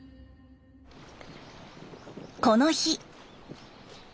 この日。